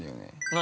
◆何？